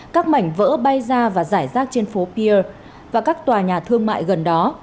các mảnh vỡ bay ra và giải rác trên phố pier và các tòa nhà thương mại gần đó